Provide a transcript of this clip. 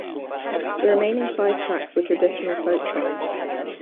The remaining five tracks were traditional folk songs.